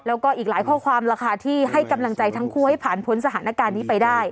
แล้วก็อีกหลายข้อความล่ะค่ะที่ให้กำลังใจทั้งคู่ให้ผ่านพ้นสถานการณ์นี้ไปได้